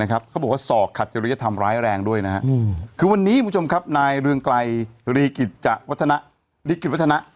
ก็บอกว่าสอกขัดจริยธรรมร้ายแรงด้วยนะฮะ